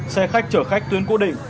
xe khách chở khách tuyến cố định